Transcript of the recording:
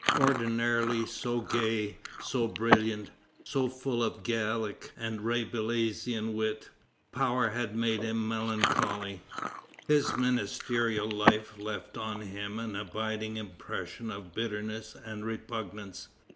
Ordinarily so gay, so brilliant, so full of Gallic and Rabelaisian wit, power had made him melancholy. His ministerial life left on him an abiding impression of bitterness and repugnance.